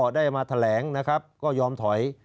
ได้มาแถลก็ยอมถอย